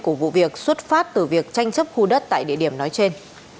của vụ việc xuất phát từ việc tranh chấp khu đất tại địa điểm nói trên